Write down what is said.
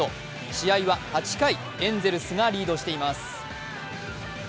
試合は８回、エンゼルスがリードしています。